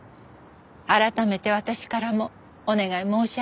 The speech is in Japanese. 改めて私からもお願い申し上げます。